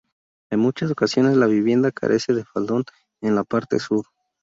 En muchas ocasiones, la vivienda carece de faldón en la parte sur.